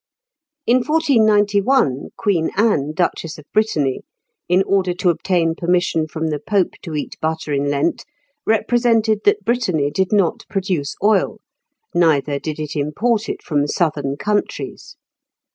In 1491, Queen Anne, Duchess of Brittany, in order to obtain permission from the Pope to eat butter in Lent, represented that Brittany did not produce oil, neither did it import it from southern countries.